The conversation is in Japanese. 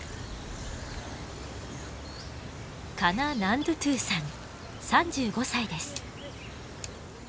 カナ・ナンドゥトゥさん３５歳です。